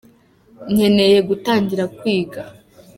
Nkeneye gutangira kwiga.